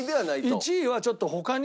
１位はちょっと他に。